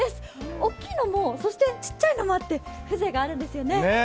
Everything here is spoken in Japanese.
大きいのも、そしてちっちゃいのもあって風情があるんですよね。